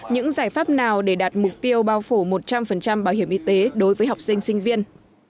những giải pháp nào để đạt mục tiêu bao phủ một trăm linh bảo hiểm y tế đối với học sinh sinh viên